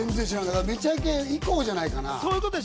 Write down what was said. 『めちゃイケ』以降じゃないかな。